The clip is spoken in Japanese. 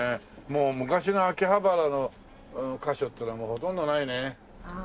もう昔の秋葉原の箇所っていうのはもうほとんどないね。